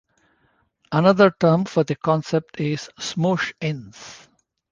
Another term for the concept is "smoosh-ins".